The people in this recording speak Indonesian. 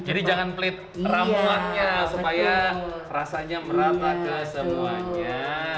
jadi jangan pelit ramuan nya supaya rasanya merata ke semuanya